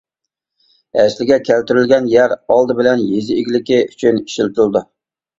ئەسلىگە كەلتۈرۈلگەن يەر ئالدى بىلەن يېزا ئىگىلىكى ئۈچۈن ئىشلىتىلىدۇ.